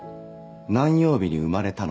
「何曜日に生まれたの？」